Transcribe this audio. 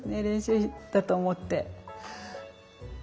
練習だと思って。